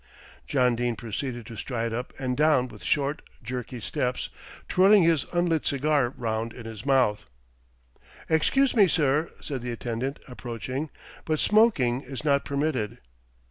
John Dene proceeded to stride up and down with short, jerky steps, twirling his unlit cigar round in his mouth. "Excuse me, sir," said the attendant, approaching, "but smoking is not permitted."